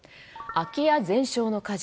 空き家全焼の火事。